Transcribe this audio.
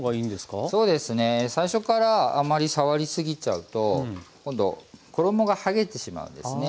そうですね最初からあまり触り過ぎちゃうと今度衣がはげてしまうんですね。